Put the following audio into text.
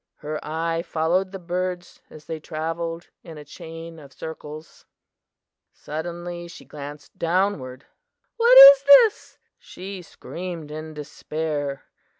Her eye followed the birds as they traveled in a chain of circles. "Suddenly she glanced downward. 'What is this?' she screamed in despair.